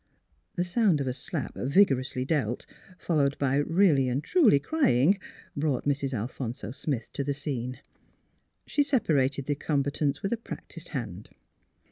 " The sound of a slap vigorously dealt, followed by really and truly crying, brought Mrs. Alphonso Smith to the scene. She separated the combatants with a practised hand.